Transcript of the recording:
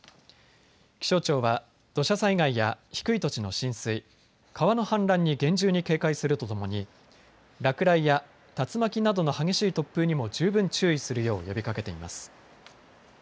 気象庁は土砂災害や低い土地の浸水、川の氾濫に厳重に警戒するとともに落雷や竜巻などの激しい突風にも十分注意するよう呼びかけています。